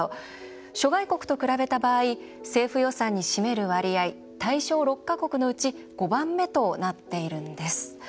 諸外国と比べた場合政府予算に占める割合対象６か国のうち５番目となっているんです。